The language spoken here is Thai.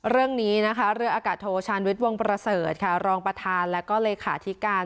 เรื่องนี้นะคะเรืออากาศโทชาญวิทย์วงประเสริฐค่ะรองประธานแล้วก็เลขาธิการ